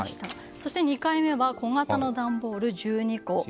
そして、２回目は小型の段ボール１２個。